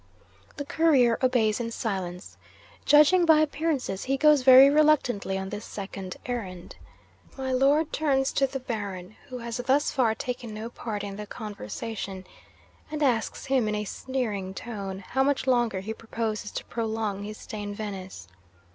'The Courier obeys in silence. Judging by appearances, he goes very reluctantly on this second errand. 'My Lord turns to the Baron (who has thus far taken no part in the conversation) and asks him, in a sneering tone, how much longer he proposes to prolong his stay in Venice.